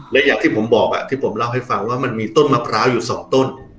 และอย่างที่ผมบอกที่ผมเล่าให้ฟังว่ามันมีต้นมะพร้าวอยู่สองต้น